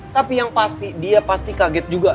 tapi yang pasti dia pasti kaget juga